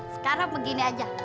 sekarang begini aja